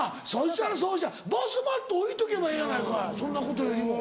そしたらバスマット置いとけばええやないかいそんなことよりも。